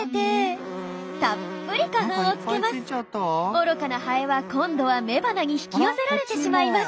愚かなハエは今度は雌花に引き寄せられてしまいます。